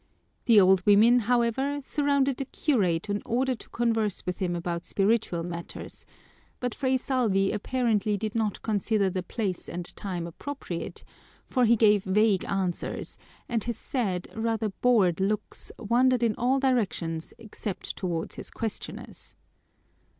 The old women, however, surrounded the curate in order to converse with him about spiritual matters, but Fray Salvi apparently did not consider the place and time appropriate, for he gave vague answers and his sad, rather bored, looks wandered in all directions except toward his questioners.